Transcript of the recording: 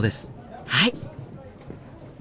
はい！